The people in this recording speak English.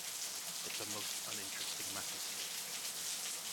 It's a most uninteresting matter to me.